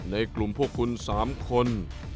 ในคลุมพวกคุณสามคน